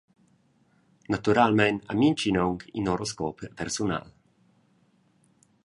Naturalmein ha mintgin aunc in horoscop persunal.